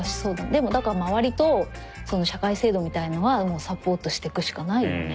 でもだから周りと社会制度みたいのはもうサポートしてくしかないよね。